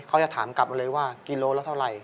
เขาจะถามกลับเลยว่ากิโลแล้วเท่าไร